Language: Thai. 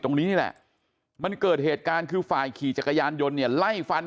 ตรงนี้นี่แหละมันเกิดเหตุการณ์คือฝ่ายขี่จักรยานยนต์เนี่ยไล่ฟัน